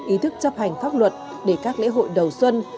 ý thức chấp hành pháp luật để các lễ hội đầu xuân